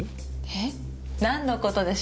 えっ？何の事でしょう？